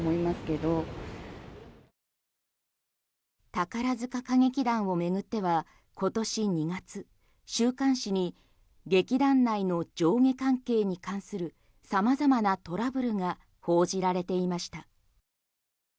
宝塚歌劇団を巡っては今年２月週刊誌に劇団内の上下関係に関する様々なトラブルが報じられていました。